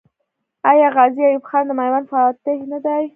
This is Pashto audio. آیا غازي ایوب خان د میوند فاتح نه دی؟